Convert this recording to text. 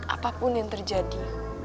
apapun yang terjadi